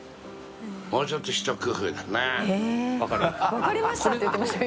「分かりました」って言ってましたよ